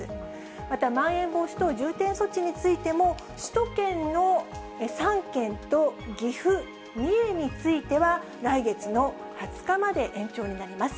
またまん延防止等重点措置についても、首都圏の３県と岐阜、三重については、来月の２０日まで延長になります。